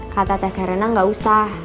kata tes herrena gak usah